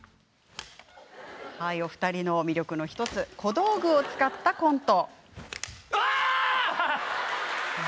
お二人の魅力の１つが小道具を使ったコント。